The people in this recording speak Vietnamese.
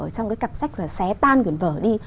trong cái cặp sách và xé tan quyển vở đi